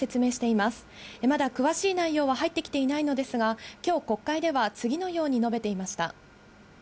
まだ詳しい内容は入ってきていないのですが、きょう国会では、次のように述べていました。